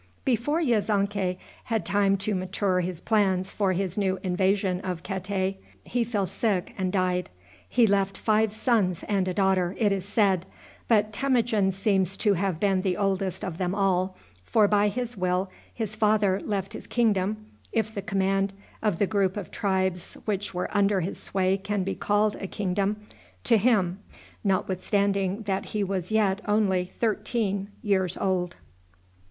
Before Yezonkai had time to mature his plans for his new invasion of Katay, he fell sick and died. He left five sons and a daughter, it is said; but Temujin seems to have been the oldest of them all, for by his will his father left his kingdom, if the command of the group of tribes which were under his sway can be called a kingdom, to him, notwithstanding that he was yet only thirteen years old.